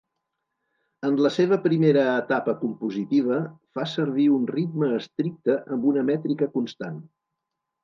En la seva primera etapa compositiva fa servir un ritme estricte amb una mètrica constant.